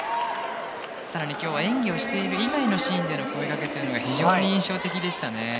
更に今日は演技をしている以外でのシーンの声がけというのが非常に印象的でしたね。